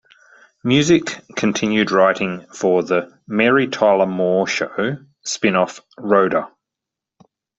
Music continued writing for the "Mary Tyler Moore Show" spin-off "Rhoda".